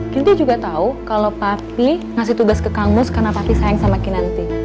kinanti juga tahu kalau papi memberikan tugas ke kamus karena papi sayang sama kinanti